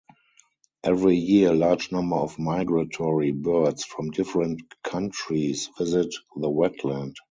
Every year large number of migratory birds from different countries visit the wetland.